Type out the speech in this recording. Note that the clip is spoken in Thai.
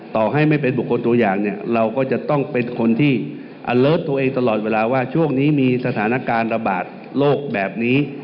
ต่อให้ไม่เป็นบุคคลตัวอย่างเนี่ยเราก็จะต้องเป็นคนที่อเลิศตัวเองตลอดเวลาว่าช่วงนี้มีสถานการณ์ระบาดโลกแบบนี้